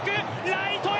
ライトへ。